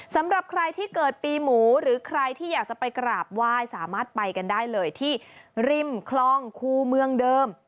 สำหรับใครที่เกิดปีหมูหรือใครที่อยากจะไปกราบไหว้สามารถไปกันได้เลยที่ริมคลองคู่เมืองเดิม